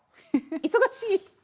忙しい！